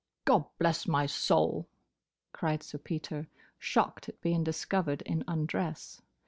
"Gobblessmysoul!" cried Sir Peter, shocked at being discovered in undress.